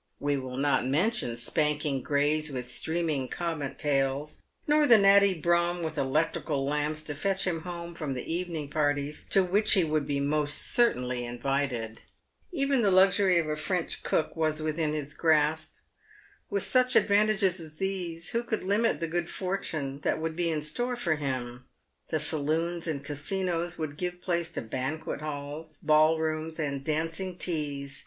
We will not mention spanking greys with streaming comet tails, nor the natty brougham with electrical lamps to fetch him home from the evening parties to which he would be most cer tainly invited. Even the luxury of a French cook was within his grasp. With such advantages as these, who could limit the good fortune that would be in store for him ? The saloons and casinos would give place to banquet halls, ball rooms, and dancing teas.